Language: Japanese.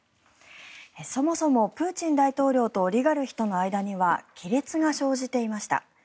そもそもプーチン大統領とオリガルヒとの間には亀裂が生じていました。